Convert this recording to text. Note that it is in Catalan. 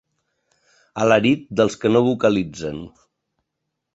Alarit dels que no vocalitzen.